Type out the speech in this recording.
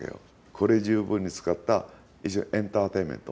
これ十分に使った非常にエンターテインメント。